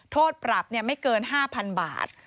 โทษปรับไม่เกิน๕๐๐๐บาท